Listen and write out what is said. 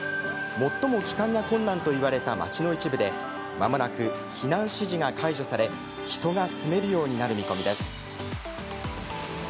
最も帰還が困難といわれた町の一部でまもなく避難指示が解除され人が住めるようになる見込みです。